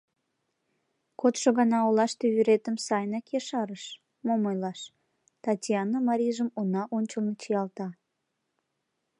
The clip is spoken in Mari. — Кодшо гана олаште вӱретым сайынак ешарыш, мом ойлаш, — Татьяна марийжым уна ончылно чиялта.